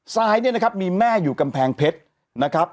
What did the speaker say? ซ้ายเนี่ยนะครับมีแม่อยู่กำแพงเพชรนะครับ